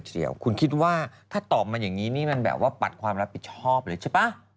เดี๋ยวคุณคิดว่าถ้าตอบมาอย่างนี้นี่มันแบบว่าปัดความรับผิดชอบเลยใช่ป่ะ